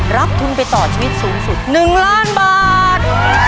รับทุนไปต่อชีวิตสูงสุด๑ล้านบาท